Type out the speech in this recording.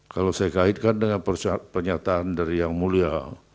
kalau saya kaitkan dengan pernyataan dari yang mulia